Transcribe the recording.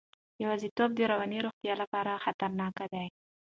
یوازیتوب د رواني روغتیا لپاره خطرناک دی.